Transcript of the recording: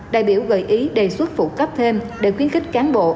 đại biểu gợi ý đề xuất phụ cấp thêm để khuyến khích cán bộ